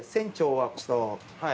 はい。